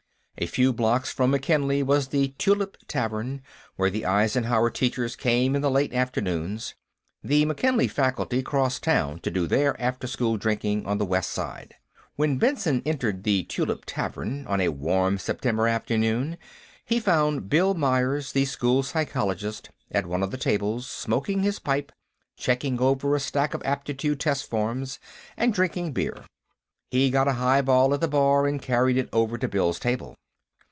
A few blocks from McKinley was the Tulip Tavern, where the Eisenhower teachers came in the late afternoons; the McKinley faculty crossed town to do their after school drinking on the west side. When Benson entered the Tulip Tavern, on a warm September afternoon, he found Bill Myers, the school psychologist, at one of the tables, smoking his pipe, checking over a stack of aptitude test forms, and drinking beer. He got a highball at the bar and carried it over to Bill's table.